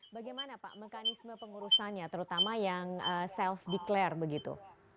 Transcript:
bagaimana pak mekanisme pengurusannya terutama yang self declare begitu